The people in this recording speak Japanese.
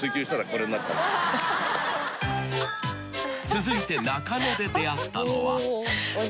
［続いて中野で出会ったのは］